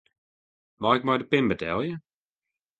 Mei ik mei de pin betelje?